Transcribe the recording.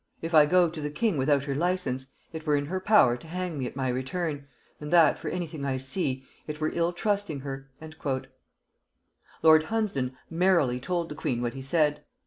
If I go to the king without her license, it were in her power to hang me at my return, and that, for any thing I see, it were ill trusting her." Lord Hunsdon "merrily" told the queen what he said.